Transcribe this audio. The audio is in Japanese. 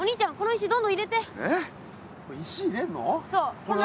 石入れんの？